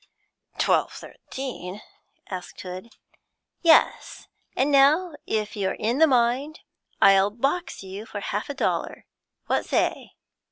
'Twelve thirteen?' asked Hood. 'Yes. And now if you're in the mind, I'll box you for half a dollar what say?'